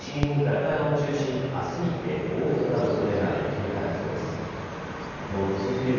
東日本の日本海側を中心にあすにかけて大雨となるおそれがあり警戒が必要です。